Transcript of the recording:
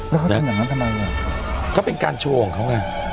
แล้วเขาทำยังไงทำไมเนี่ยเขาเป็นการโชว์ของเขาไง